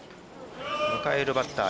迎えるバッター